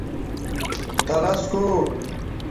تلس کوٹ